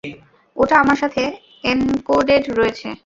ওটা আমার সাথে এনকোডেড রয়েছে।